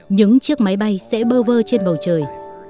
những chiếc máy bay sẽ bơ vơ trên bầu trời